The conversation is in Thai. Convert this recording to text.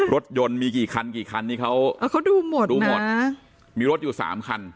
รถยนต์มีกี่คันกี่คันนี่เขาดูหมดมีรถอยู่๓คัน